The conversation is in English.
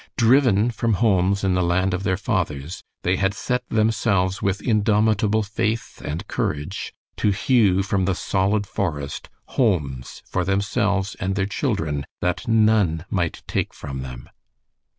Driven from homes in the land of their fathers, they had set themselves with indomitable faith and courage to hew from the solid forest, homes for themselves and their children that none might take from them.